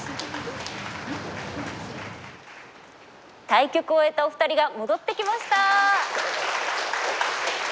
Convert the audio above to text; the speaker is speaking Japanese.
対局を終えたお二人が戻ってきました！